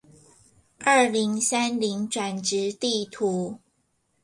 二零三零轉職地圖